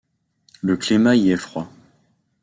Le climat y est froid.